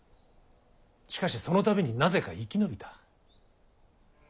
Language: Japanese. しかしその度になぜか生き延びた。